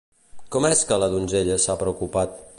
Com és que la donzella s'ha preocupat?